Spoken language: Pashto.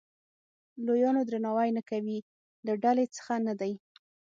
لویانو درناوی نه کوي له ډلې څخه نه دی.